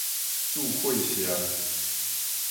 注血射